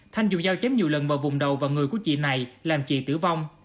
thanh dùng dao chém nhiều lần vào vùng đầu và người của chị này làm chị tử vong